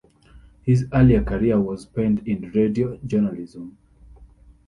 His earlier career was spent in radio journalism.